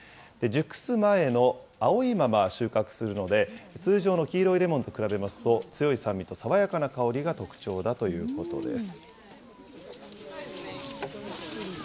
熟す前の青いまま収穫するので、通常の黄色いレモンと比べますと、強い酸味と爽やかな香りが特徴だということです。